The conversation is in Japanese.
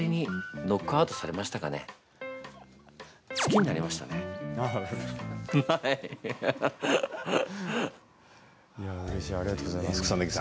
うれしいありがとうございます。